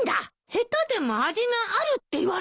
下手でも味があるって言われたのよ。